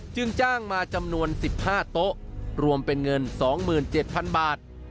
จ้างมาจำนวน๑๕โต๊ะรวมเป็นเงิน๒๗๐๐บาท